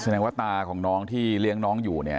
แสดงว่าตาของน้องที่เลี้ยงน้องอยู่เนี่ย